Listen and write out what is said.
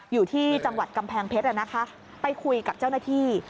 อยู่ที่จังหวัดกำแพงเพชรไปคุยกับเจ้าหน้าที่